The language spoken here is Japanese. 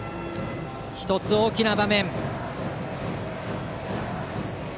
１つ大きな場面。